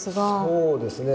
そうですね。